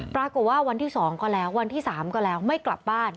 ปรากฏว่าวันที่๒ก็แล้ววันที่๓ก็แล้วไม่กลับบ้าน